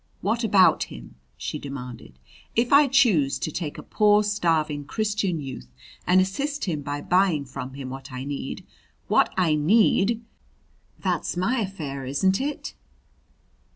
"What about him?" she demanded. "If I choose to take a poor starving Christian youth and assist him by buying from him what I need what I need! that's my affair, isn't it?